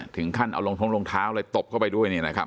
ถึงขั้นเอาลงท้องลงเท้าเลยตบเข้าไปด้วย